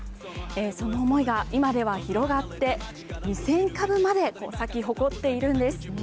その思いが今では広がって、２０００株まで咲き誇っているんです。